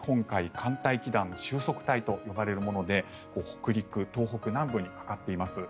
寒帯気団収束帯と呼ばれるもので北陸、東北南部にかかっています。